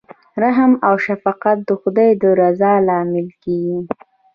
رحم او شفقت د خدای د رضا لامل کیږي.